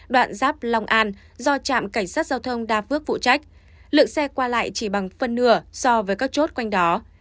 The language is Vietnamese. đoạn giáp long an do trạm cảnh sát giao thông đa phước phụ trách lượng xe qua lại chỉ bằng phân nửa so với các chốt quanh đó